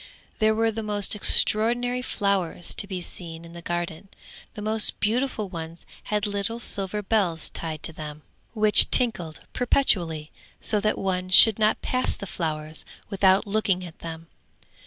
There were the most extraordinary flowers to be seen in the garden; the most beautiful ones had little silver bells tied to them, which tinkled perpetually, so that one should not pass the flowers without looking at them.